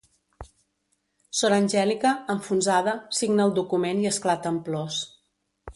Sor Angèlica, enfonsada, signa el document i esclata en plors.